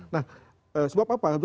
nah sebab apa